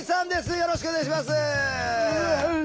よろしくお願いします。